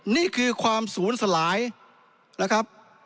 นี่คือความศูนย์สลายนะครับ